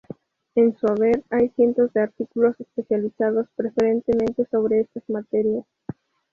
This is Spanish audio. En su haber hay cientos de artículos especializados preferentemente sobre estas materias.